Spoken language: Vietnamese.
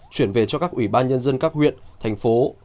chuyển về cho các ủy ban nhân dân các huyện thành phố